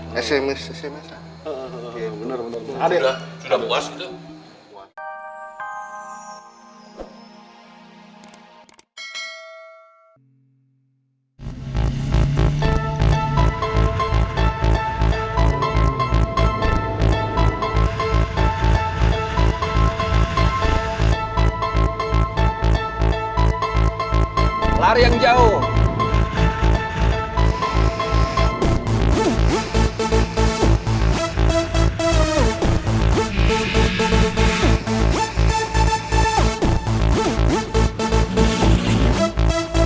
hai sms sms bener bener ada sudah puas itu